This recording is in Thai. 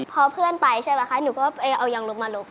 พอเพื่อนไปใช่ไหมคะหนูก็เอาอย่างลบมาลบ